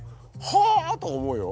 はあ？と思うよ。